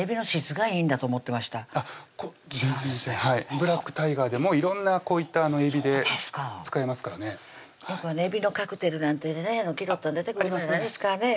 ブラックタイガーでも色んなこういったえびで使えますからねよくえびのカクテルなんてね気取ったん出てくるじゃないですか